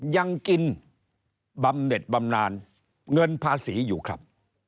ยังกินบำเน็ตบำนานเงินภาษีอยู่ครับ